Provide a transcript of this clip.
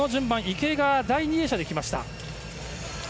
池江が第２泳者できました。